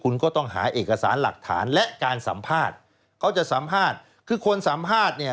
และการสัมภาษณ์เขาจะสัมภาษณ์คือคนสัมภาษณ์เนี่ย